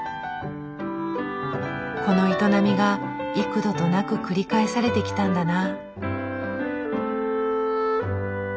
この営みが幾度となく繰り返されてきたんだな。